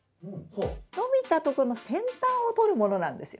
伸びたところの先端をとるものなんですよ。